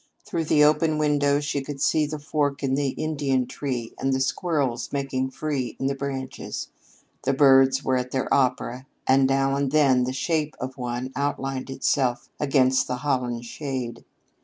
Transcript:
Through the open window she could see the fork in the linden tree and the squirrels making free in the branches. The birds were at their opera, and now and then the shape of one outlined itself against the holland shade.